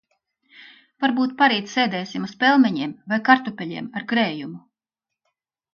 Varbūt parīt sēdēsim uz pelmeņiem vai kartupeļiem ar krējumu.